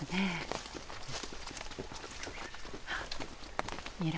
うん。